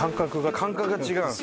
感覚が違うんです。